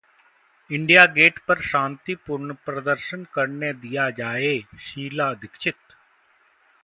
India Gate पर शांतिपूर्ण प्रदर्शन करने दिया जाए: शीला दीक्षित